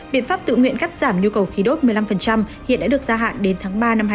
biện pháp tự nguyện cắt giảm nhu cầu khí đốt một mươi năm hiện đã được gia hạn đến tháng ba năm hai nghìn hai mươi